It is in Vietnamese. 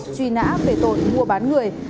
truy nã về tội mua bán người